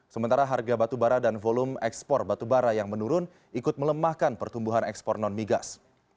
sementara harga batubara dan volume ekspor batubara yang menurun ikut melemahkan pertumbuhan ekspor non migas